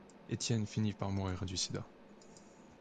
Etienne finit par mourir du sida.